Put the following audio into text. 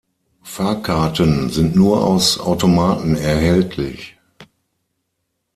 Fahrkarten sind nur aus Automaten erhältlich.